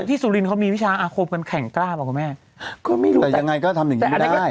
แล้วที่สุรินทร์เขามีพิชาอาคมกันแข่งกล้าบอกว่าแม่ก็ไม่รู้แต่แต่ยังไงก็ทำอย่างงี้ไม่ได้